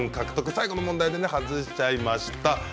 最後の問題外しちゃいました。